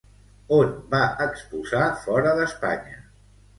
On va exposar fora d'Espanya?